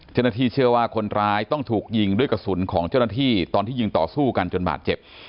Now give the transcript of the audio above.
เจ้าหน้าที่เชื่อว่าคนร้ายต้องถูกยิงด้วยกระสุนของเจ้าหน้าที่ตอนที่ยิงต่อสู้กันจนบาดเจ็บ